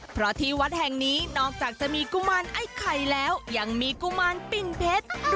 เพราะที่วัดแห่งนี้นอกจากจะมีกุมารไอ้ไข่แล้วยังมีกุมารปิ่นเพชร